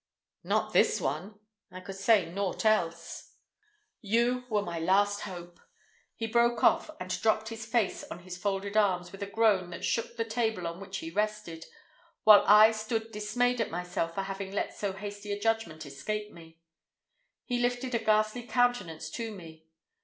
"Not this one." I could say naught else. "You were my last hope." He broke off, and dropped his face on his folded arms with a groan that shook the table on which he rested, while I stood dismayed at myself for having let so hasty a judgment escape me. He lifted a ghastly countenance to me.